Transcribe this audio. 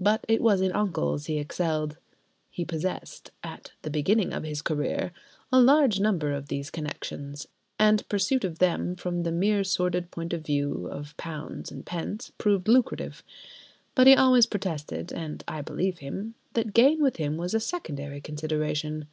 But it was in uncles he excelled. He possessed (at the beginning of his career) a large number of these connections, and pursuit of them, from the mere sordid point of view of £ s. d., proved lucrative. But he always protested (and I believed him) that gain with him was a secondary consideration.